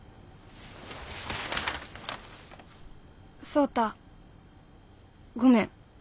「創太ごめん。